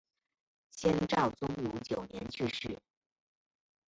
先赵宗儒九年去世。